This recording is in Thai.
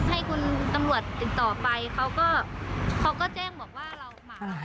ให้คุณตำรวจติดต่อไปเขาก็เขาก็แจ้งบอกว่าเรามา